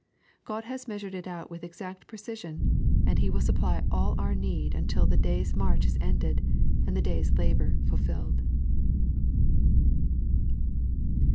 Ood has measured it out with exact precision, and He will supply all our need until the day's march is ended, and the day's labour fulfilled.